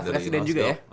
staf presiden juga ya